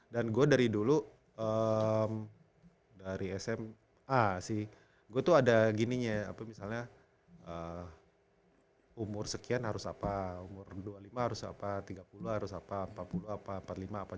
dan gue dari dulu dari sma sih gue tuh ada gininya apa misalnya umur sekian harus apa umur dua puluh lima harus apa tiga puluh harus apa empat puluh apa empat puluh lima apa